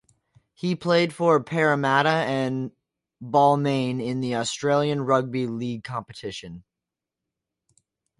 He played for Parramatta and Balmain in the Australian Rugby League competition.